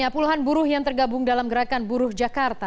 puluhan buruh yang tergabung dalam gerakan buruh jakarta